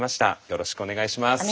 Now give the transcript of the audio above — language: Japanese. よろしくお願いします。